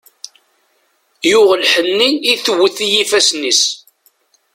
Yuɣ lḥenni i tewwet i yifassen-is.